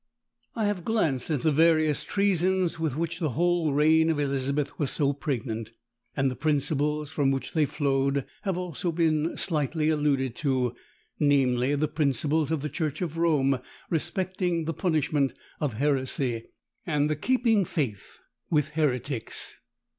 I have glanced at the various treasons with which the whole reign of Elizabeth was so pregnant: and the principles from which they flowed have also been slightly alluded to, namely, the principles of the church of Rome respecting the punishment of heresy, and the keeping faith with heretics.